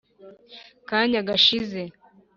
kanya gashize